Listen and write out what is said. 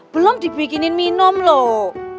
belum dibikinin minum loh